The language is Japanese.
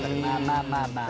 まあまあまあまあ。